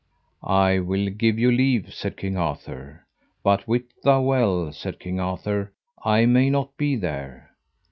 I will give you leave, said King Arthur; but wit thou well, said King Arthur, I may not be there.